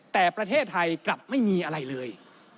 แต่ประเทศไทยกลับไม่มีอะไรเลย